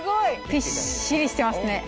ぴっしりしてますね。